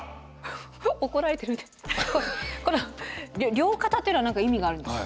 両肩っていうのは何か意味があるんですか？